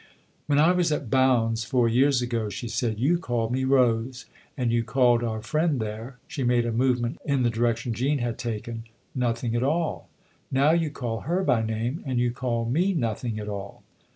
" When I was at Bounds four years ago," she said, "you called me Rose and you called our friend there " she made a movement in the direction Jean had taken " nothing at all. Now you call her by name and you call me nothing at all."